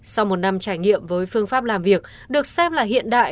sau một năm trải nghiệm với phương pháp làm việc được xem là hiện đại